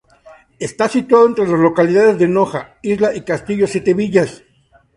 Está situado entre las localidades de Noja, Isla y Castillo Siete Villas.